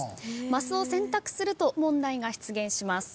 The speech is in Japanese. マスを選択すると問題が出現します。